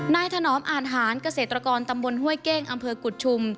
ถนอมอ่านหารเกษตรกรตำบลห้วยเก้งอำเภอกุฎชุม